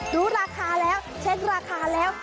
รู้ราคาแล้วเช็คราคาแล้ว